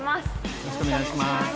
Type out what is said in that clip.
よろしくお願いします。